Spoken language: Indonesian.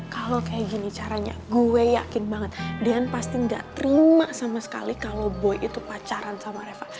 kalau kayak gini caranya gue yakin banget dian pasti nggak terima sama sekali kalau boy itu pacaran sama reva